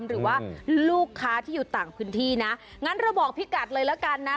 หรือว่าลูกค้าที่อยู่ต่างพื้นที่นะงั้นเราบอกพี่กัดเลยละกันนะ